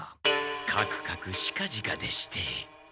かくかくしかじかでして。